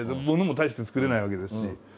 物も大して作れないわけですし。